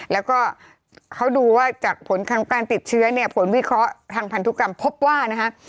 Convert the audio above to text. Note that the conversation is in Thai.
แล้วก็เขาดูว่าจากผลของการติดเชื้อเนี่ยผลวิเคราะห์ทางพันธุกรรมพบว่านะคะ